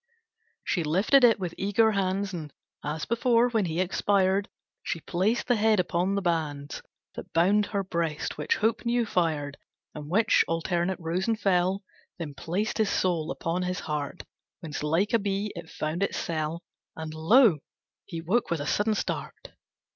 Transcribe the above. She lifted it with eager hands And as before, when he expired, She placed the head upon the bands That bound her breast which hope new fired, And which alternate rose and fell; Then placed his soul upon his heart Whence like a bee it found its cell, And lo, he woke with sudden start!